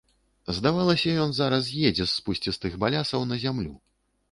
Здавалася, ён зараз з'едзе з спусцістых балясаў на зямлю.